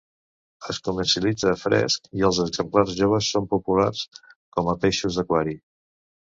Es comercialitza fresc i els exemplars joves són populars com a peixos d'aquari.